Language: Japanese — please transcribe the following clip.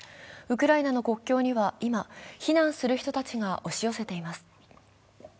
ウクライナの国境には今、避難する人たちが押し寄せています。